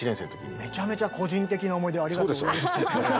めちゃめちゃ個人的な思い出をありがとうございます。